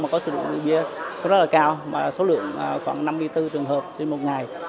mà có sử dụng rượu bia rất là cao và số lượng khoảng năm mươi bốn trường hợp trên một ngày